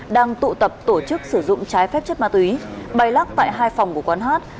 đang tụ tập tổ chức sử dụng trái phép chất ma túy bày lắc tại hai phòng của quán hát